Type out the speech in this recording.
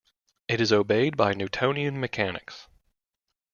It is obeyed by Newtonian mechanics.